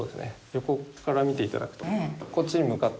横から見て頂くと分かるこっちに向かって。